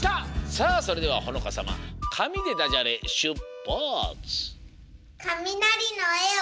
さあそれではほのかさま「かみ」でダジャレしゅっぱつ！